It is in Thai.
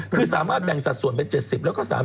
คือสามารถแบ่งสัดส่วนไป๗๐แล้วก็๓๐